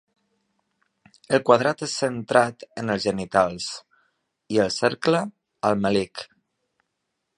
El quadrat és centrat en els genitals, i el cercle al melic.